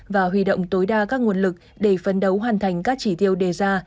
và huy động tối đa các nguồn lực để phấn đấu hoàn thành các chỉ tiêu đề ra